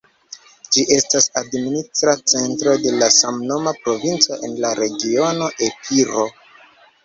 Ĝi estas administra centro de la samnoma provinco en la regiono Epiro.